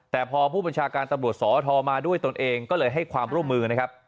แต่พอผู้บัญชาการตำรวจสอทมาด้วยตนเองก็เลยให้ความร่วมมือนะครับ